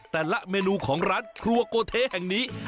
แต่ละเมนูของร้านครัวโกเทแห่งนี้